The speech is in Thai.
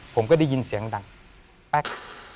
ผมก็ได้ยินเสียงดังแป๊ก